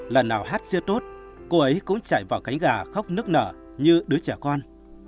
lần nào hát siêu tốt cô ấy cũng chạy vào cánh gà khóc nức nở như đứa trẻ con